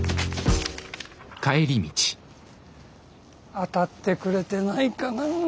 当たってくれてないかなぁ。